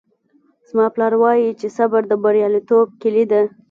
زما پلار وایي چې صبر د بریالیتوب کیلي ده